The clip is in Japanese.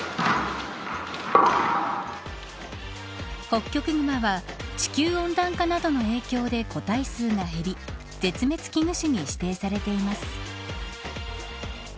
ホッキョクグマは地球温暖化などの影響で個体数が減り絶滅危惧種に指定されています。